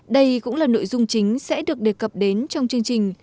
đây cũng là nội dung chính sẽ được đề cập đến trong chương trình